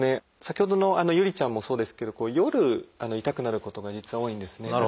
先ほどの侑里ちゃんもそうですけど夜痛くなることが実は多いんですね。